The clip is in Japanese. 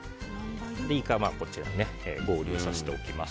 イカこちらに合流させておきます。